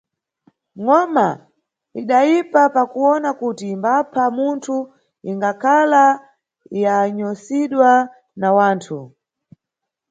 Ngoma idayipa pakuwona kuti imbapha munthu ingakhala yanyosidwa na wanthu.